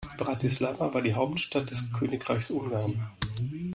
Bratislava war die Hauptstadt des Königreichs Ungarn.